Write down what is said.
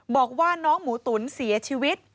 บอกว่าน้องหมูตุ๋นเสียชีวิต